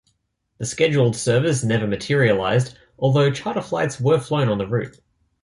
The scheduled service never materialized, although charter flights were flown on the route.